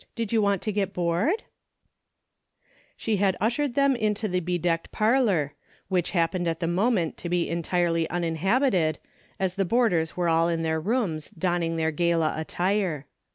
Did you want to ^et board ?" She had ushered them intp the bedecked parlor, Avhich happened at the moment to be entirely uninhabited, as the boarders were all in their rooms donning their gala attire.